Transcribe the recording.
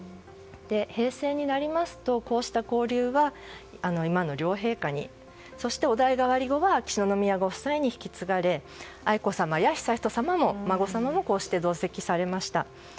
平成になりますとこうした交流は今の両陛下にそしてお代替わり後は秋篠宮ご夫妻に引き継がれ愛子さまや悠仁さまもお孫さまもこうして同席されました。